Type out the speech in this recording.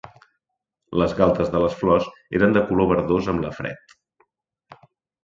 Les galtes de les flors eren de color verdós amb la fred.